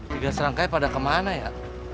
tiga serangkai pada kemana ya